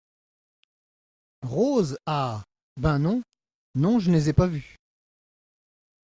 Rose Ah ! ben, non ! non je les ai pas vues.